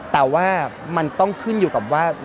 แต่ว่ามันต้องขึ้นอยู่กับว่า